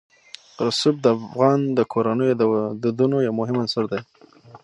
رسوب د افغان کورنیو د دودونو یو مهم عنصر دی.